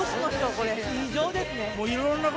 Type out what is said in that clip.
これ異常ですね。